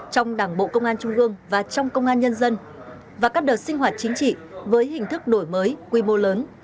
trong đảng bộ công an trung ương và trong công an nhân dân và các đợt sinh hoạt chính trị với hình thức đổi mới quy mô lớn